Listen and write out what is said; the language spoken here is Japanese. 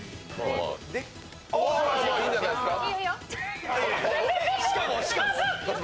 いいんじゃないですか。